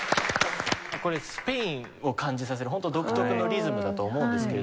これスペインを感じさせるホント独特のリズムだと思うんですけれども。